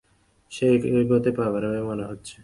সেও একই পথে পা বাড়াবে মনে হচ্ছে।